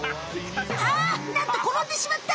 あっなんところんでしまった！